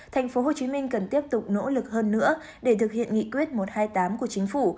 tp hcm cần tiếp tục nỗ lực hơn nữa để thực hiện nghị quyết một trăm hai mươi tám của chính phủ